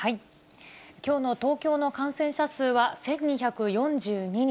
きょうの東京の感染者数は１２４２人。